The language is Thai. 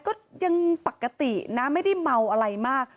ก็ยังปกตินะไม่ได้เมาอะไรมาก